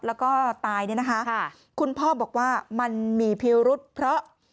แล้วก็ตายเนี่ยนะคะคุณพ่อบอกว่ามันมีพิรุษเพราะ